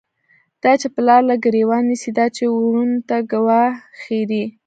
دا چی پلار له گریوان نیسی، دا چی وروڼو ته گوا ښیږی